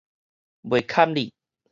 袂堪得